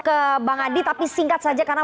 ke bang adi tapi singkat saja karena